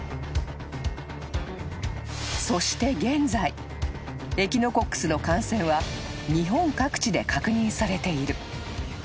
［そして現在エキノコックスの感染は日本各地で確認されている］